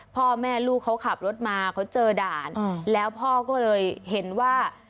พ่อแม่ลูกเขาขับรถมาเขาเจอด่านแล้วพ่อก็เลยเห็นว่า